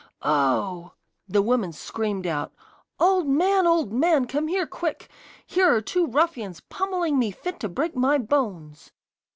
Oh!' The woman screamed out: 'Old man, old man! Come here, quick! Here are two ruffians pommelling me fit to break my bones.